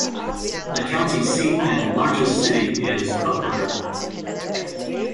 The county seat and largest city is Butler.